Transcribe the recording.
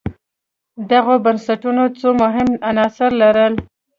دغو بنسټونو څو مهم عناصر لرل.